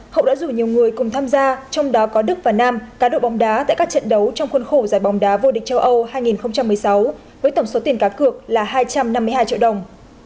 hậu đã rủ nhiều người cùng tham gia trong đó có đức và nam cá độ bóng đá tại các trận đấu trong khuôn khổ giải bóng đá vô địch châu âu hai nghìn một mươi sáu với tổng số tiền cá cược là hai trăm năm mươi hai triệu đồng